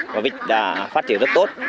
và vịt đã phát triển rất tốt